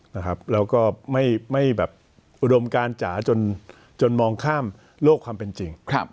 นะครับแล้วก็ไม่ไม่แบบอุดมการจ๋าจนจนมองข้ามโลกความเป็นจริงครับ